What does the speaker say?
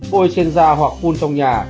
bôi trên da hoặc phun trong nhà